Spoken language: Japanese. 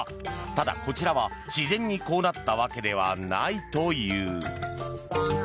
ただ、こちらは自然にこうなったわけではないという。